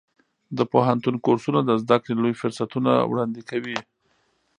د پوهنتون کورسونه د زده کړې لوی فرصتونه وړاندې کوي.